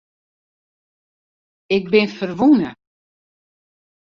Ik bin ferwûne.